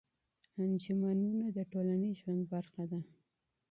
انجمنونه د ټولنيز ژوند برخه ده.